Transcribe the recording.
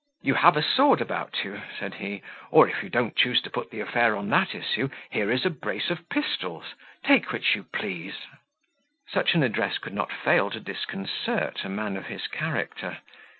"You have a sword about you," said he; "or, if you don't choose to put the affair on that issue, here is a brace of pistols; take which you please." Such an address could not fail to disconcert a man of his character.